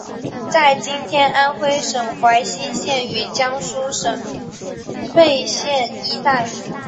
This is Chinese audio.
在今天安微省睢溪县与江苏省沛县一带。